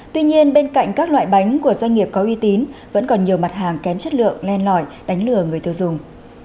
tuy nhiên bên cạnh các loại bánh của doanh nghiệp có uy tín vẫn còn nhiều mặt hàng kém chất lượng len lỏi đánh lừa người tiêu dùng